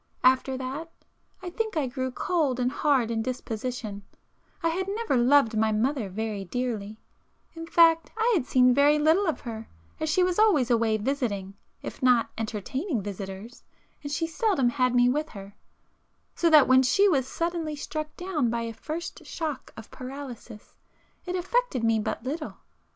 After that, I think I grew cold and hard in disposition; I had never loved my mother very dearly,—in fact I had seen very little of her, as she was always away visiting, if not entertaining visitors, and she seldom had me with her,—so that when she was suddenly struck down by a first shock of paralysis, it affected me but little.